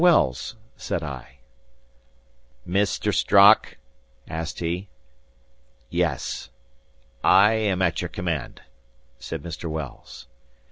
Wells?" said I. "Mr. Strock?" asked he. "Yes." "I am at your command," said Mr. Wells.